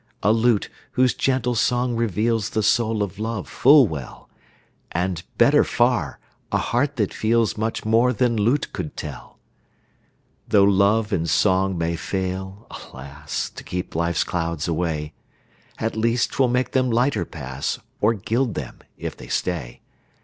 A lute whose gentle song reveals The soul of love full well; And, better far, a heart that feels Much more than lute could tell. Tho' love and song may fail, alas! To keep life's clouds away, At least 'twill make them lighter pass, Or gild them if they stay.